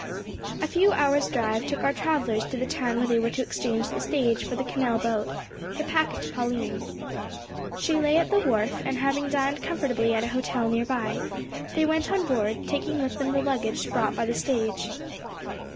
A few hours' drive took our travellers to the town where they were to exchange the stage for the canal boat, the packet Pauline. She lay at the wharf, and having dined comfortably at a hotel near by, they went on board, taking with them the luggage brought by the stage.